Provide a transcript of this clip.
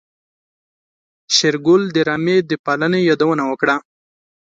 شېرګل د رمې د پالنې يادونه وکړه.